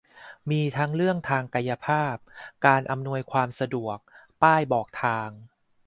มีทั้งเรื่องทางกายภาพ การอำนวยความสะดวก ป้ายบอกทาง